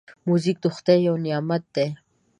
موزیک د خدای یو نعمت دی.